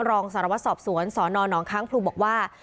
รองสารวัตรสอบสวนสนหนองค้างพลูบอกว่า